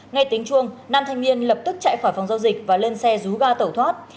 nghe tiếng chuông nam thanh niên lập tức chạy khỏi phòng giao dịch và lên xe rú ga tẩu thoát